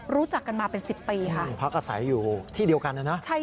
รู้จักกันมาเป็นสิบปีค่ะพักอาศัยอยู่ที่เดียวกันนะนะ